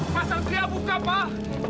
masa dia buka pak